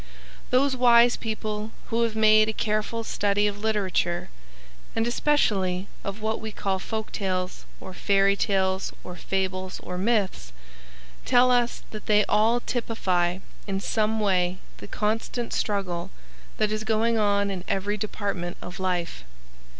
Those wise people who have made a careful study of literature, and especially of what we call folk tales or fairy tales or fables or myths, tell us that they all typify in some way the constant struggle that is going on in every department of life.